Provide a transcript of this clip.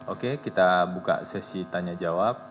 oke kita buka sesi tanya jawab